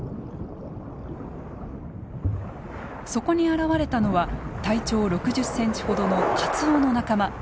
そこに現れたのは体長６０センチほどのカツオの仲間。